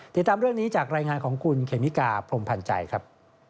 ติดตามเรื่องนี้จากรายงานของคุณเคมิกาพรมพันธ์ใจครับ